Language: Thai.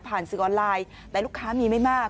สื่อออนไลน์แต่ลูกค้ามีไม่มาก